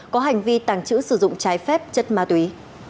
có hành vi tàng trữ sử dụng trái phép chất ma túy